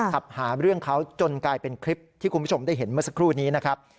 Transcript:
ขับหาเรื่องเขาจนกลายเป็นคลิปที่คุณผู้ชมได้เห็นเมื่อสักครู่นี้นะครับ